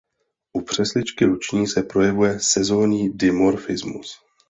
U přesličky luční se projevuje sezónní dimorfismus.